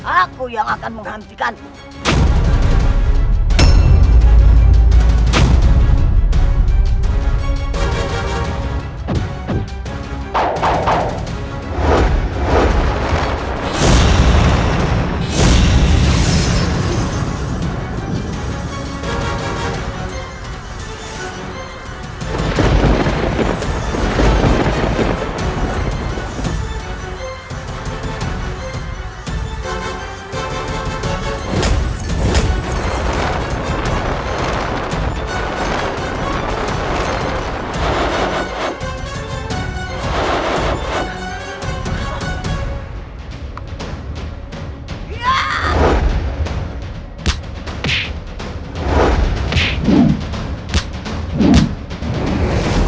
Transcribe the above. aku yang akan menghentikanmu